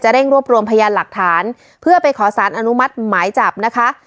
เร่งรวบรวมพยานหลักฐานเพื่อไปขอสารอนุมัติหมายจับนะคะ